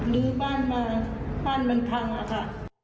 ลื้อบ้านมาบ้านมันพังอะค่ะ